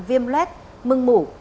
viêm lết mưng mủ